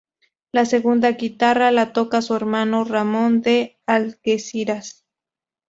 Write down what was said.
La segunda guitarra la toca su hermano Ramón de Algeciras.